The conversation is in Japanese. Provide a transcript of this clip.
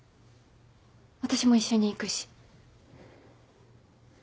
私も一緒に行くし。